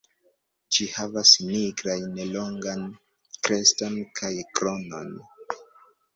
Ĝi havas nigrajn longan kreston kaj kronon.